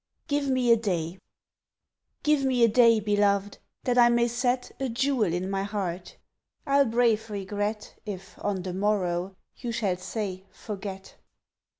Give Me a Day GIVE me a day, beloved, that I may set A jewel in my heart I'll brave regret, If, on the morrow, you shall say "forget"!